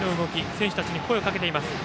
選手たちに声をかけています